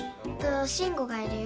しんごがいるよ。